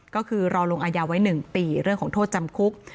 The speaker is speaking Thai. ก็คือรอลงอายาไว้๑ปีเรื่องของโทษจำคุก